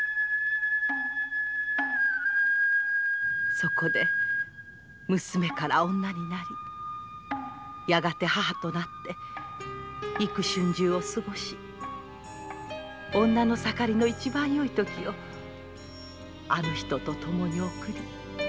そこで娘から女になりやがて母となって幾春秋を過ごし女の盛りの一番よい時をあの人とともに送り。